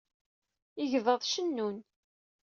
Igḍaḍ cennun.